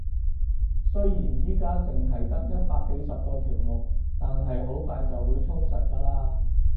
雖然而家淨係得一百幾個條目，但係好快就會充實㗎喇